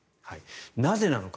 なぜなのか。